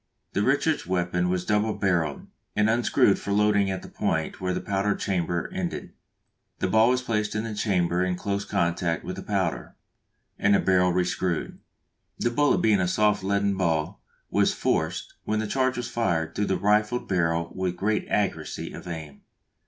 The Richards weapon was double barrelled, and unscrewed for loading at the point where the powder chamber ended; the ball was placed in this chamber in close contact with the powder, and the barrel rescrewed. The bullet being a soft leaden ball, was forced, when the charge was fired, through the rifled barrel with great accuracy of aim.